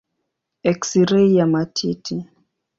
Eksirei ya matiti.